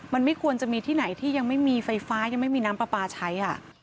มันไม่ควรจะมีที่ไหนที่ยังไม่มีไฟฟ้ายังไม่มีน้ำปลาปลาใช้